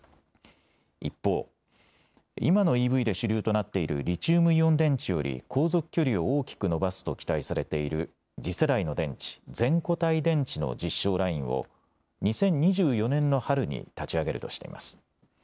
一方、今のＥＶで主流となっているリチウムイオン電池より航続距離を大きく伸ばすと期待されている次世代の電池、全固体電池の実証ラインを２０２４年の春に立ち上げるとしています。